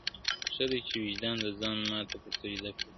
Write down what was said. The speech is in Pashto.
ښه دی چي وجدان د ځان، ماته پر سجده پرېووت~